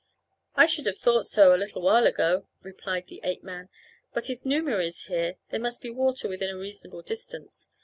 "I should have thought so a little while ago," replied the ape man, "but if Numa is here there must be water within a reasonable distance.